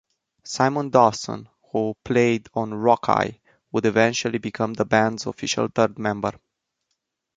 Simon Dawson, who played on "Rockeye", would eventually become the band's official third member.